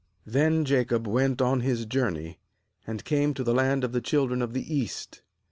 OQ Then Jacob went on his jour 4 ney, and came to the land of the children of the east.